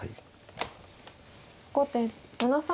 後手７三角。